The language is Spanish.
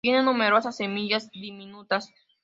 Tiene numerosas semillas diminutas.